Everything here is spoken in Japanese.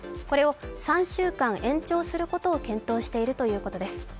これを３週間延長することを検討しているということです。